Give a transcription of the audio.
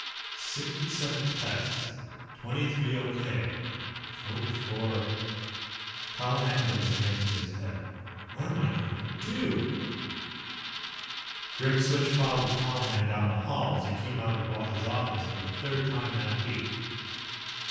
"Sixty seven tests. Twenty three okay. Forty four " Colihan put his hands to his head. "What am I going to do?" Grimswitch followed Colihan down the hall as he came out of the boss's office for the third time that week.